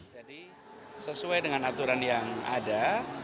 jadi sesuai dengan aturan yang ada